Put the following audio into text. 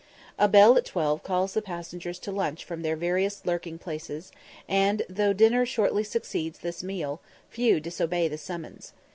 A bell at twelve calls the passengers to lunch from their various lurking places, and, though dinner shortly succeeds this meal, few disobey the summons.